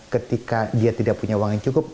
ketika dia tidak punya uang yang cukup